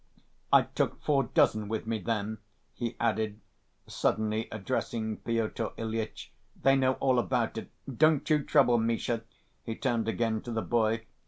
I took four dozen with me then," he added (suddenly addressing Pyotr Ilyitch); "they know all about it, don't you trouble, Misha," he turned again to the boy.